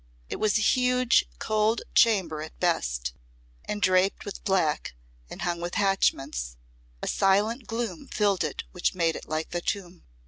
It was a huge cold chamber at best, and draped with black, and hung with hatchments; a silent gloom filled it which made it like a tomb.